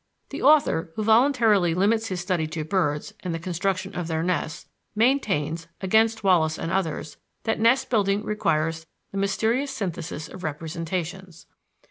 The author, who voluntarily limits his study to birds and the construction of their nests, maintains, against Wallace and others, that nest building requires "the mysterious synthesis of representations."